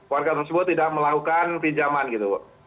warga tersebut tidak melakukan pinjaman gitu